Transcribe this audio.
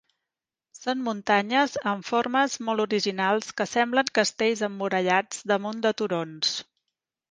Són muntanyes amb formes molt originals que semblen castells emmurallats damunt de turons.